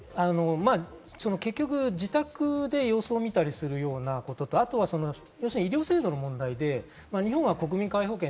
結局自宅で様子を見たりするようなことと、あとは医療制度の問題で、日本は国民皆保険。